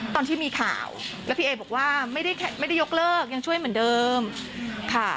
ตอนที่มีข่าวแล้วพี่เอบอกว่าไม่ได้ยกเลิกยังช่วยเหมือนเดิมค่ะ